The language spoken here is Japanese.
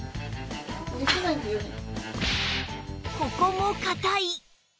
ここも硬い